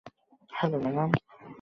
সুরজ তুমি এখানে কি করছ?